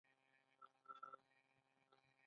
د پښتو ژبې د بډاینې لپاره پکار ده چې داخلي نظام ساتل شي.